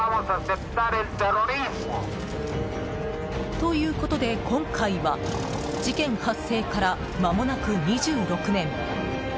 ということで、今回は事件発生からまもなく２６年。